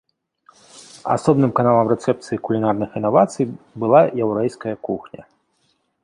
Асобным каналам рэцэпцыі кулінарных інавацый была яўрэйская кухня.